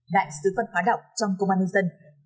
đại sứ văn hóa đọc trong công an nhân dân